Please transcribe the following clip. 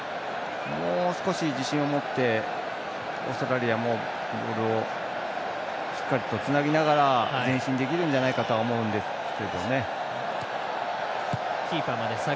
もう少し自信を持ってオーストラリアもボールをしっかりとつなぎながら前進できるんじゃないかと思うんですけどね。